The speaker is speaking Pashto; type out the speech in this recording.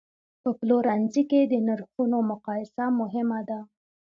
په پلورنځي کې د نرخونو مقایسه مهمه ده.